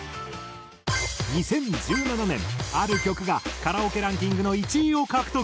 ２０１７年ある曲がカラオケランキングの１位を獲得。